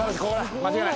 間違いない。